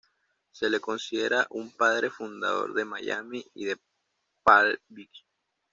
Se lo considera un padre fundador de Miami y de Palm Beach.